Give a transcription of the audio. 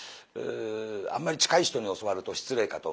あんまり近い人に教わると失礼かと思って。